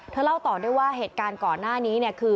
เล่าต่อด้วยว่าเหตุการณ์ก่อนหน้านี้เนี่ยคือ